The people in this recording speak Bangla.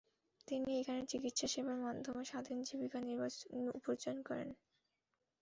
তিনি এখানে চিকিৎসা সেবার মাধ্যমে স্বাধীন জীবিকা উপার্জন করতেন।